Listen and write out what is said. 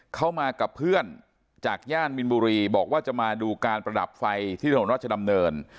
เขามากับเพื่อนจากย่านมินบุรีบอกว่าจะมาดูการประดับไฟที่ถนนราชดำเนิน